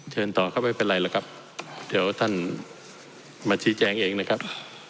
เชิญต่อก็ไม่เป็นไรหรอกครับเดี๋ยวท่านมาชี้แจงเองนะครับ